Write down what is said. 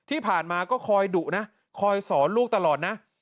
ที่ผ่านมาก็คอยดุนะคอยสอนลูกตลอดนะ